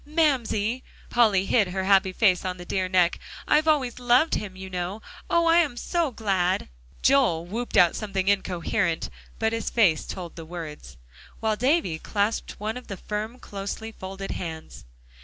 "Mamsie," Polly hid her happy face on the dear neck, "I've always loved him, you know; oh! I'm so glad." Joel whooped out something incoherent, but his face told the words, while Davie clasped one of the firm, closely folded hands.